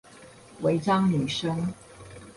違章女生